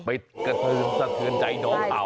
ไปกระเทินสะเทือนใจน้องเขา